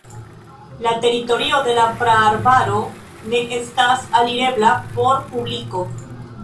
La teritorio de la praarbaro ne estas alirebla por publiko.